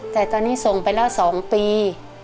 แต่ตอนนี้ส่งไปแล้ว๒ปี